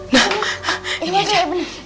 nah ini aja